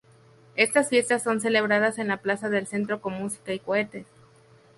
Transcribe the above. Estas fiestas son celebradas en la plaza del centro con música y cohetes.